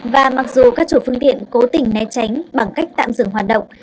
và mặc dù các chủ phương tiện cố tình né tránh bằng cách tạm dừng hoạt động